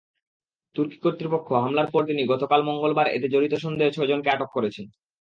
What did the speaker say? তুর্কি কর্তৃপক্ষ হামলার পরদিনই গতকাল মঙ্গলবার এতে জড়িত সন্দেহে ছয়জনকে আটক করেছে।